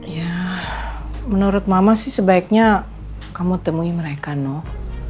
ya menurut mama sih sebaiknya kamu temuin mereka noh